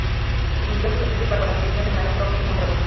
Inició sus estudios bajo la dirección del Maestro Gil Mondragón.